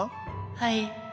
はい。